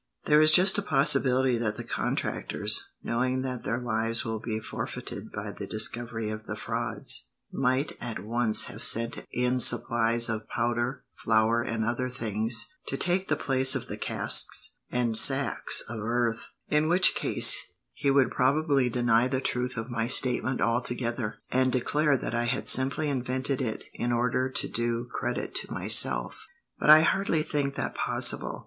There is just a possibility that the contractors, knowing that their lives will be forfeited by the discovery of the frauds, might at once have sent in supplies of powder, flour, and other things, to take the place of the casks and sacks of earth; in which case he would probably deny the truth of my statement altogether, and declare that I had simply invented it in order to do credit to myself. But I hardly think that possible.